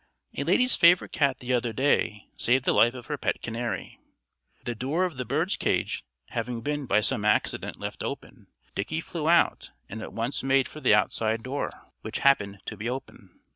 A lady's favourite cat the other day saved the life of her pet canary. The door of the bird's cage having been by some accident left open, Dickie flew out, and at once made for the outside door, which happened to be open.